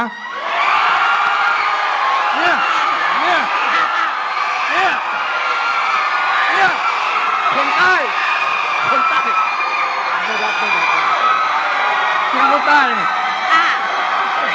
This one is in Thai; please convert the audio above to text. คนใต้คนใต้